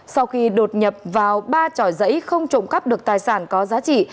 sau khi đột nhập vào ba tròi giấy không trộm cắp được tài sản có giá trị